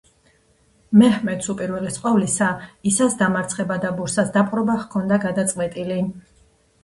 მეჰმედს უპირველეს ყოვლისა, ისას დამარცხება და ბურსას დაპყრობა ჰქონდა გადაწყვეტილი.